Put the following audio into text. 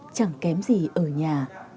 chẳng kém gì ở nhà